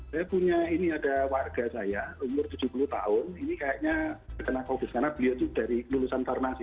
saya punya ini ada warga saya umur tujuh puluh tahun ini kayaknya terkena covid karena beliau itu dari lulusan farmasi